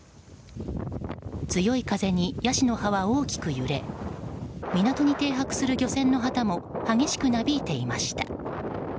強い風にヤシの葉は大きく揺れ港に停泊する漁船の旗も激しくなびいていました。